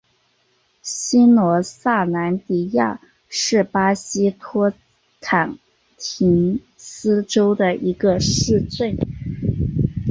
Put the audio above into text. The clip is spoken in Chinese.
新罗萨兰迪亚是巴西托坎廷斯州的一个市镇。